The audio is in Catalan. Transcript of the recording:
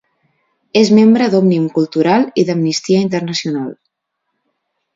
És membre d'Òmnium Cultural i d'Amnistia Internacional.